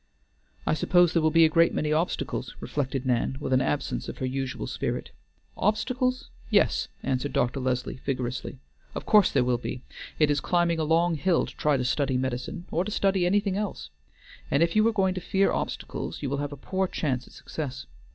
"I suppose there will be a great many obstacles," reflected Nan, with an absence of her usual spirit. "Obstacles! Yes," answered Dr. Leslie, vigorously. "Of course there will be; it is climbing a long hill to try to study medicine or to study anything else. And if you are going to fear obstacles you will have a poor chance at success.